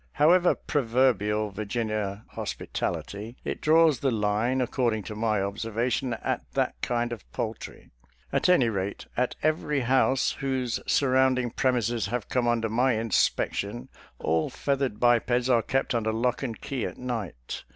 However proverbial Virginia hospitality, it draws the line, according to my observation, at that kind of poultry. At any rate, at every house whose surrounding premises have come under my inspection, all feathered bipeds are kept under lock and key at night.